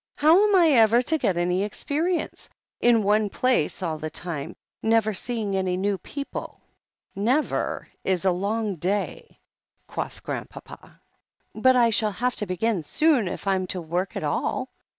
"How am I ever to get any experience, in one place all the time, never seeing any new people ?"" 'Never' is a long day," quoth Grandpapa. "But I shall have to begin soon if I'm to work at all.